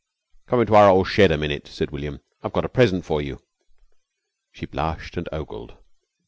"Come into our ole shed a minute," said William. "I've got a present for you." She blushed and ogled.